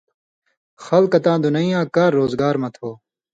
خلکہ تاں دُنَیں یاں کار روزگار مہ تھو